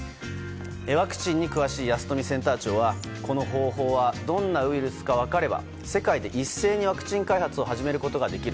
ワクチンに詳しい保富センター長は、この方法はどんなウイルスか分かれば世界で一斉にワクチン開発を始めることができる。